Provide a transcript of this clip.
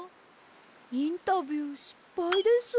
インタビューしっぱいです。